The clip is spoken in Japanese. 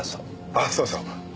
あっそうそう。